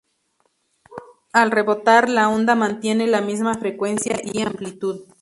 Al rebotar, la onda mantiene la misma frecuencia y amplitud.